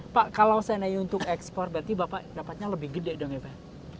pak kalau seandainya untuk ekspor berarti bapak dapatnya lebih gede dong ya pak